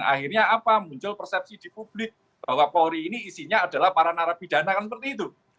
akhirnya apa muncul persepsi di publik bahwa polri ini isinya adalah para narapidana kan seperti itu